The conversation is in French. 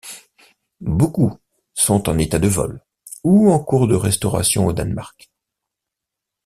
Beaucoup sont en état de vol ou en cours de restauration au Danemark.